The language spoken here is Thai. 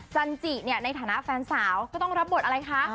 จันจิเนี่ยในฐานะแฟนสาวก็ต้องรับบทอะไรคะ